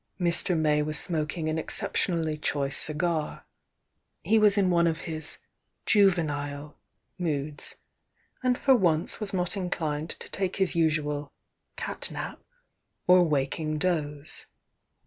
Mr. May was smoking an exceptionally choice cigar, — he was in one of his "juvenile" moods, and for once was not inclined to take his usual "cat nap" or waking doze.